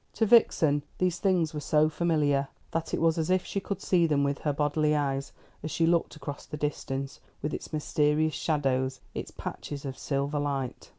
To Vixen these things were so familiar, that it was as if she could see them with her bodily eyes, as she looked across the distance, with its mysterious shadows, its patches of silver light.